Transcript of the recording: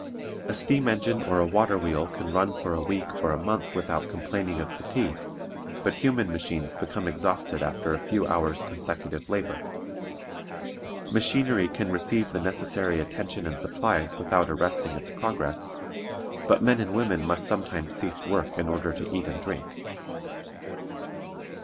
A steam engine or a water wheel can run for a week or a month without complaining of fatigue, but human machines become exhausted after a few hours' consecutive labor. Machinery can receive the necessary attention and supplies without arresting its progress, but men and women must sometimes cease work in order to eat and drink.